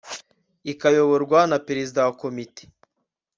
ikayoborwa na perezida wa komite